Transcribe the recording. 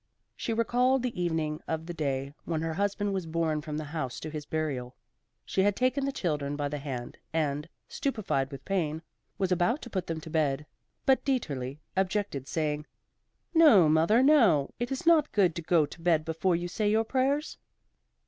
She recalled the evening of the day when her husband was borne from the house to his burial. She had taken the children by the hand and, stupefied with pain, was about to put them to bed, but Dieterli objected, saying, "No, mother, no; it is not good to go to bed before you say your prayers."